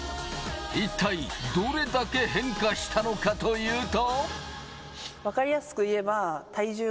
一体、どれだけ変化したのかというと。